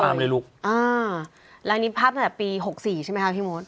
อ่าแล้วอันนี้ภาพตั้งแต่ปี๖๔ใช่ไหมครับพี่มูธ